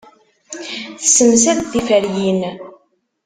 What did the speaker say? Tessemsad tiferyin.